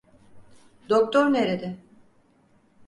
Doktor nerede?